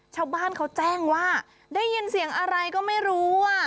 ชาวบ้านเขาแจ้งว่าได้ยินเสียงอะไรก็ไม่รู้อ่ะ